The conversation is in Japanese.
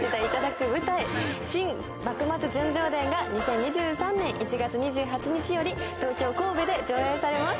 『新・幕末純情伝』が２０２３年１月２８日より東京神戸で上演されます。